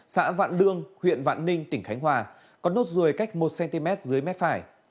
xã vạn lương huyện vạn ninh tỉnh khánh hòa có nốt ruồi cách một cm dưới mép phải